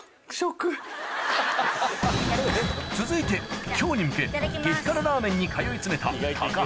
続いて今日に向け激辛ラーメンに通い詰めた